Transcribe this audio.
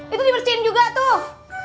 itu dibersihin juga tuh